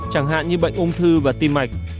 chẳng hạn như bệnh ung thư và tim mạch